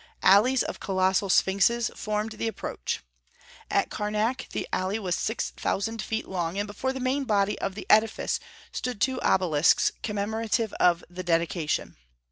Alleys of colossal sphinxes formed the approach. At Karnak the alley was six thousand feet long, and before the main body of the edifice stood two obelisks commemorative of the dedication.